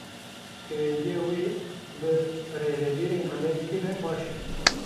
Pêwendiya we bi birêvebirên Amerîkî re baş e